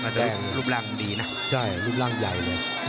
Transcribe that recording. ลดร่างดีนะลดร่างใหญ่เลย